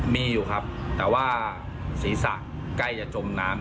มีอยู่ครับแต่ว่าศีรษะใกล้จะจมน้ำ